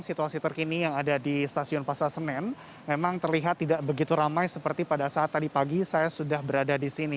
situasi terkini yang ada di stasiun pasar senen memang terlihat tidak begitu ramai seperti pada saat tadi pagi saya sudah berada di sini